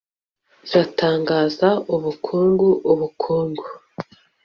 iratangaza ubukungu Ubukungu